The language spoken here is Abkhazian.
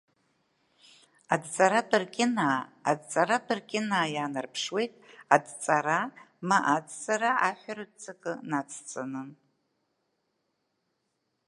Адҵаратә ркьынаа адҵаратә ркьынаа иаанарԥшуеит адҵара, ма адҵара аҳәаратә ҵакы нацҵаны.